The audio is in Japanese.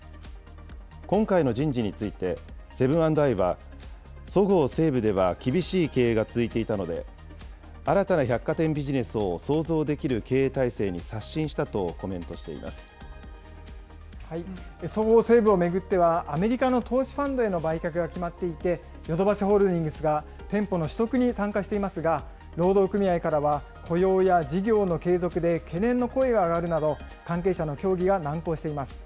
今回の人事について、セブン＆アイは、そごう・西武では厳しい経営が続いていたので、新たな百貨店ビジネスを創造できる経営体制に刷新したとコメントそごう・西武を巡っては、アメリカの投資ファンドへの売却が決まっていて、ヨドバシホールディングスが、店舗の取得に参加していますが、労働組合からは雇用や事業の継続で懸念の声が上がるなど、関係者の協議が難航しています。